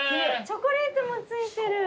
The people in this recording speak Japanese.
チョコレートも付いてる。